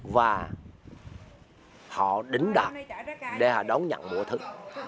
và họ đính đạt để họ đón nhận mùa thức